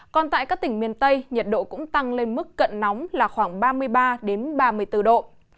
còn tại các tỉnh miền tây nhiệt độ cũng tăng lên mức cận nóng là khoảng ba mươi ba ba mươi bốn độ